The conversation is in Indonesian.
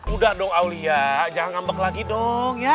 udah dong aulia jangan ngambek lagi dong ya